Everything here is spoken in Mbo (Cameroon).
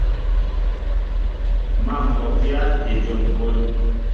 Má ŋkɔkă éjom kón.